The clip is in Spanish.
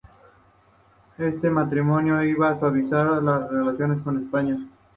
Este matrimonio iba a suavizar las relaciones con España.